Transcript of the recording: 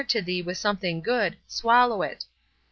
to thee with something good, swallow it.